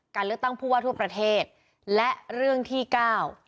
การเลือกตั้งผู้ว่าทั่วประเทศและเรื่องที่เก้า